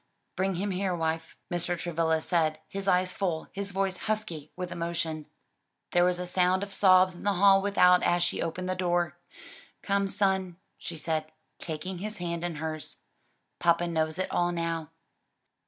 "Bring him here, wife," Mr. Travilla said, his eyes full, his voice husky with emotion. There was a sound of sobs in the hall without as she opened the door. "Come, son," she said, taking his hand in hers, "papa knows it all now."